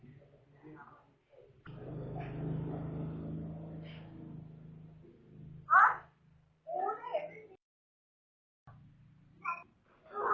เป็นห่างกววรอ